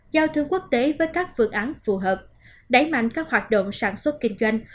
giao thương quốc tế với các phương án phù hợp đẩy mạnh các hoạt động sản xuất kinh doanh